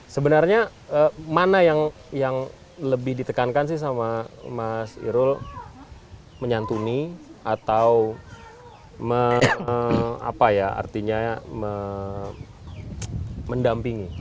sebenarnya mana yang lebih ditekankan sih sama mas irul menyantuni atau apa ya artinya mendampingi